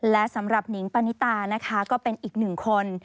และสำหรับนิงปณิตานะคะก็เป็นอีกหนึ่งคน